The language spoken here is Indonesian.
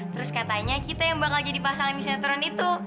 terus katanya kita yang bakal jadi pasangan sinetron itu